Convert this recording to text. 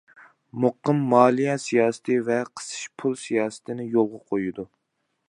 مۇقىم مالىيە سىياسىتى ۋە قىسىش پۇل سىياسىتىنى يولغا قويىدۇ.